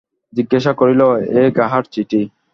জিজ্ঞাসা করিল, এ কাহার চিঠি।